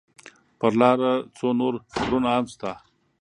پر لاره څو نور غرونه هم شته.